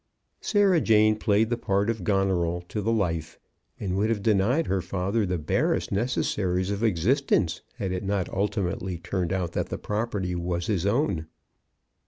Sarah Jane played the part of Goneril to the life, and would have denied her father the barest necessaries of existence, had it not ultimately turned out that the property was his own.